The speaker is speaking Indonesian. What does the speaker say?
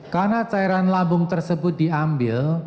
karena cairan lambung tersebut diambil